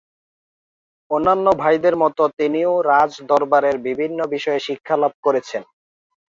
অন্যান্য ভাইদের মত তিনিও রাজ দরবারের বিভিন্ন বিষয়ে শিক্ষালাভ করেছেন।